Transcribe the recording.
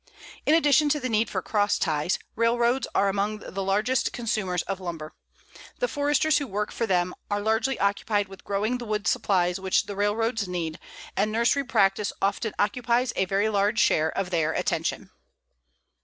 In addition to the need for cross ties, railroads are among the largest consumers of lumber. The Foresters who work for them are largely occupied with growing the wood supplies which the railroads need, and nursery practice often occupies a very large share of their attention.